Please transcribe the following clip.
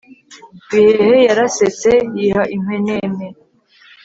bihehe yarasetse yiha inkwenene